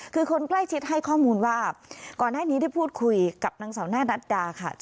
คือคนใกล้ชิดให้ข้อมูลว่าก่อนหน้านี้ได้พูดคุยกับนางสาวหน้านัดดาค่ะ